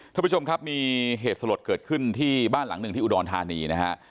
ท่านผู้ชมครับมีเหตุสลดเกิดขึ้นที่บ้านหลังหนึ่งที่อุดรธานีนะฮะ